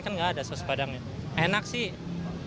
kan enggak ada saus padangnya enak sih